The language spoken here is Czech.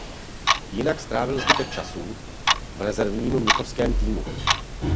Jinak strávil zbytek času v rezervním mnichovském týmu.